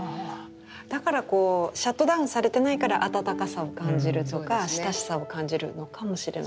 だからこうシャットダウンされてないから暖かさを感じるとか親しさを感じるのかもしれないですね。